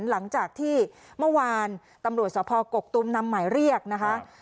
หลังจากที่เมื่อวานตำรวจสภกกตุมนำหมายเรียกนะคะ